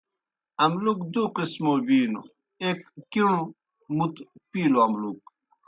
املُک دُوْ قِسمو بِینوْ، ایْک کِݨوْ مُتوْ پِیلوْ املُک۔